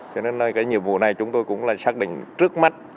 cho nên cái nhiệm vụ này chúng tôi cũng là xác định trước mắt